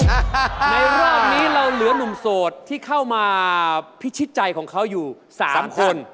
ในรอบนี้เราเหลือหนุ่มโสดที่เข้ามาพิชิตใจของเขาอยู่สามคน